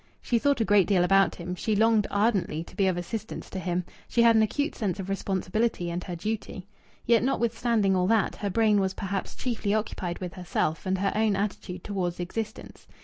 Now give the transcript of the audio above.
She thought a great deal about him; she longed ardently to be of assistance to him; she had an acute sense of her responsibility and her duty. Yet, notwithstanding all that, her brain was perhaps chiefly occupied with herself and her own attitude towards existence.